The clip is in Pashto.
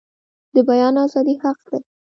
د بیان ازادي حق دی